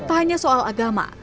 bukan hanya soal agama